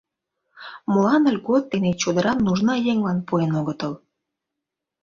Молан льгот дене чодырам нужна еҥлан пуэн огытыл?